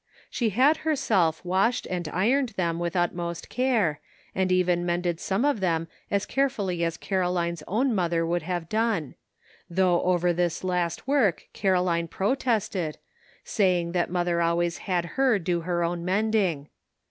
She had herself washed and ironed them with utmost care, and even mended some of them as carefully as Caroline's own mother could have done ; though over this last work Caroline protested, saying that mother always had her do her own mending.